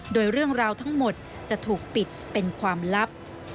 โดยเรื่องราวทั้งหมดจะถูกปิดเป็นความลับ